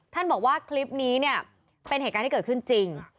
บอกว่าคลิปนี้เนี่ยเป็นเหตุการณ์ที่เกิดขึ้นจริง